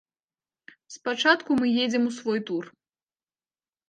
Спачатку вы едзем у свой тур.